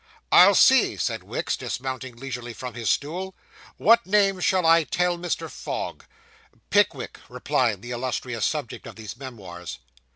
'I'll see,' said Wicks, dismounting leisurely from his stool. 'What name shall I tell Mr. Fogg?' 'Pickwick,' replied the illustrious subject of these memoirs.